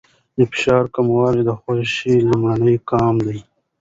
د فشار کمول د خوښۍ لومړی ګام دی.